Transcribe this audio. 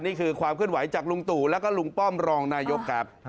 นี่คือความเคลื่อนไหวจากลุงตู่แล้วก็ลุงป้อมรองนายกครับ